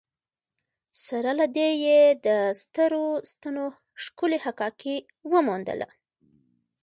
سره له دې یې د سترو ستنو ښکلې حکاکي وموندله.